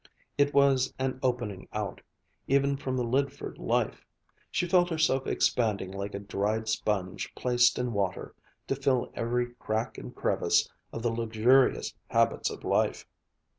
It was an opening out, even from the Lydford life. She felt herself expanding like a dried sponge placed in water, to fill every crack and crevice of the luxurious habits of life.